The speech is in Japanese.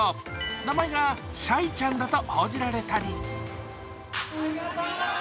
名前がシャイちゃんだと報じられたり。